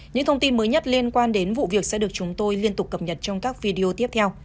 những thông tin mới nhất liên quan đến vụ việc sẽ được chúng tôi liên tục cập nhật trong các video tiếp theo